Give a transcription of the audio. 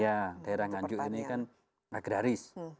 ya daerah nganjuk ini kan agraris